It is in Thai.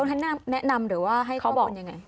เขาแนะนำเดี๋ยวว่าให้ข้าวอ่อนอย่างไร